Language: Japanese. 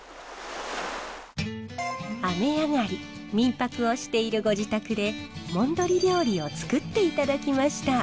雨上がり民泊をしているご自宅でもんどり料理を作っていただきました。